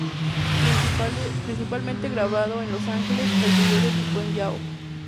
Principalmente grabado en Los Ángeles, el vídeo debutó en Yahoo!